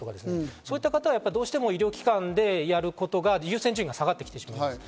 そういった方はどうしても医療機関でやることが優先順位が下がります。